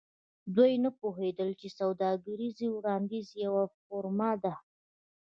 دوی نه پوهیدل چې سوداګریز وړاندیز یوه فورمه ده